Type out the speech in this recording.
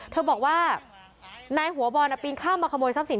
เธอบอกว่านายหัวบอลปีนข้ามมาขโมยทรัพย์สิน